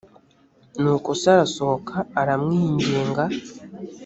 nuko se arasohoka aramwinginga